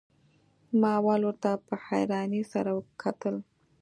ما اول ورته په حيرانۍ سره کتل.